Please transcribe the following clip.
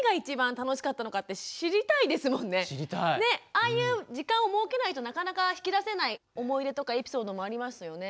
ああいう時間を設けないとなかなか引き出せない思い出とかエピソードもありますよね。